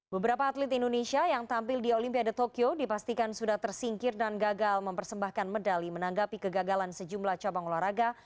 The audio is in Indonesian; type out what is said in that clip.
beberapa atlet indonesia yang tampil di olimpiade tokyo dipastikan sudah tersingkir dan gagal mempersembahkan medali menanggapi kegagalan sejumlah cabang olahraga